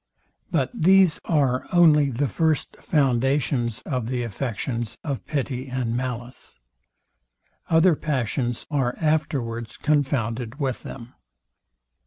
But these are only the first foundations of the affections of pity and malice. Other passions are afterwards confounded with them.